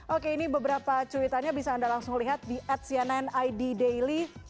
oke ini beberapa cuitannya bisa anda langsung lihat di at cnn id daily